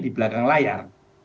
di belakang layar